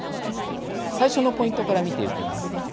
最初のポイントから見てゆきます。